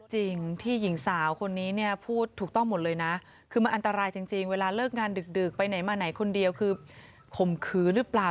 จริงที่หญิงสาวคนนี้เนี่ยพูดถูกต้องหมดเลยนะคือมันอันตรายจริงเวลาเลิกงานดึกไปไหนมาไหนคนเดียวคือข่มขืนหรือเปล่า